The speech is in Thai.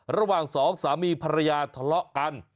ระหว่างสองสามีภรรยาทะเลาะกัน